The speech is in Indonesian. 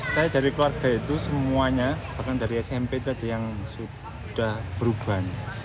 saya dari keluarga itu semuanya bahkan dari smp itu ada yang sudah berubah